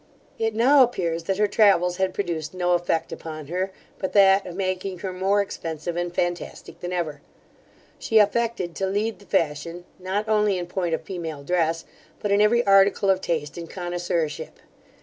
It now appears, that her travels had produced no effect upon her, but that of making her more expensive and fantastic than ever: She affected to lead the fashion, not only in point of female dress, but in every article of taste and connoisseurship.